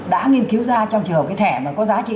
đã nghiên cứu ra trong trường hợp cái thẻ mà có giá trị